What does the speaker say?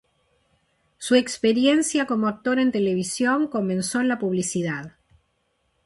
Su experiencia como actor en televisión comenzó en la publicidad.